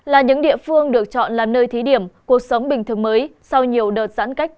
là những địa phương được chọn là nơi thí điểm cuộc sống bình thường mới sau nhiều đợt giãn cách